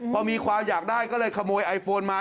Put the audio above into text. พอมีความอยากได้ก็เลยขโมยไอโฟนมา